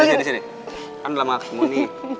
kan udah lama aku kemu nih